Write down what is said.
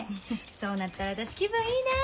そうなったら私気分いいなあ！